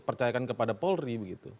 percayakan kepada polri gitu